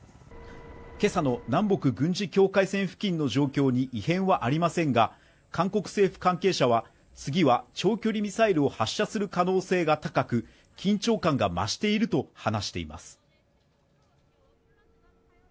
今朝の南北軍事境界線付近の状況に異変はありませんが韓国政府関係者は次は長距離ミサイルを発射する可能性が高く緊張感が増していると話しています